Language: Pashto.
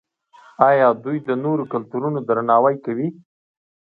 آیا دوی د نورو کلتورونو درناوی نه کوي؟